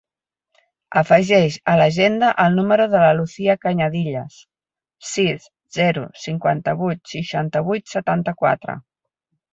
Afegeix a l'agenda el número de la Lucía Cañadillas: sis, zero, cinquanta-vuit, seixanta-vuit, setanta-quatre.